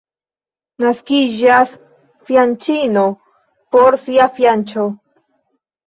Naskiĝas fianĉino por sia fianĉo.